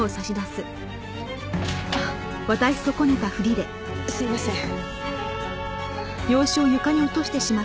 すいません。